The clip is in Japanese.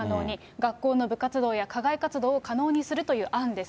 学校の部活動や課外活動を可能にするという案です。